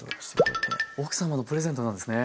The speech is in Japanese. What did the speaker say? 奥様のプレゼントなんですね？